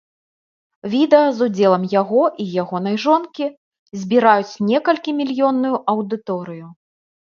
Відэа з удзелам яго і ягонай жонкі збіраюць некалькі мільённую аўдыторыю.